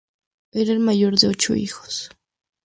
Era el mayor de ocho hijos.